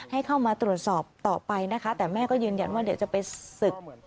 ให้เข้ามาตรวจสอบต่อไปนะคะแต่แม่ก็ยืนยันว่าเดี๋ยวจะไปศึก